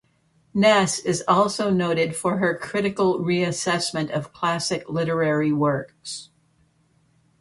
Ness is also noted for her critical reassessment of classic literary works.